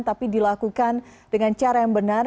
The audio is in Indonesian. tapi dilakukan dengan cara yang benar